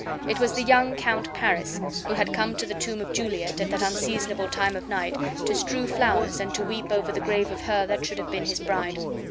It was the young Count Paris, who had come to the tomb of Juliet at that unseasonable time of night to strew flowers and to weep over the grave of her that should have been his bride.